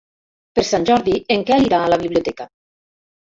Per Sant Jordi en Quel irà a la biblioteca.